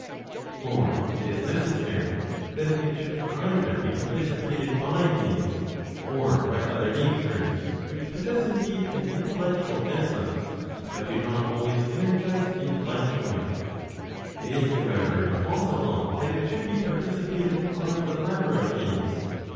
For it is necessary that it should either be participated by these, or by other natures, which possess indeed an intellectual essence, but do not always energize intellectually. It is however impossible that it should be participated by the latter of these.